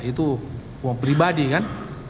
itu uang pribadi kan